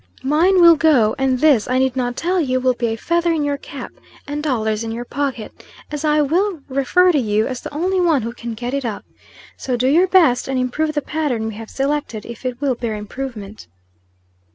Mine will go, and this, I need not tell you, will be a feather in your cap, and dollars in your pocket; as I will refer to you as the only one who can get it up. So do your best, and improve the pattern we have selected, if it will bear improvement."